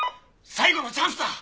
最後のチャンスだ！